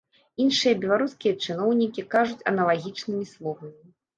Іншыя беларускія чыноўнікі кажуць аналагічнымі словамі.